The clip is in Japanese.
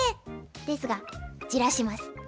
ですが焦らします。